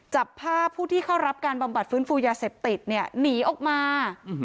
จับภาพผู้ที่เข้ารับการบำบัดฟื้นฟูยาเสพติดเนี่ยหนีออกมา